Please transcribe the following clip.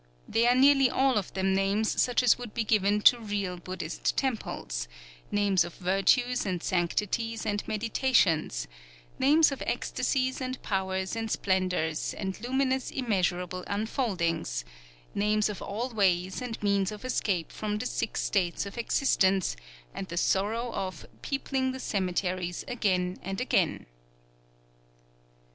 They are nearly all of them names such as would be given to real Buddhist temples, names of virtues and sanctities and meditations, names of ecstasies and powers and splendors and luminous immeasurable unfoldings, names of all ways and means of escape from the Six States of Existence and the sorrow of "peopling the cemeteries again and again."